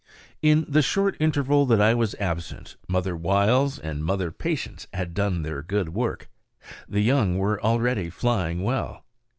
In the short interval that I was absent mother wiles and mother patience had done their good work. The young were already flying well.